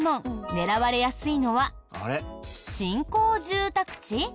狙われやすいのは新興住宅地？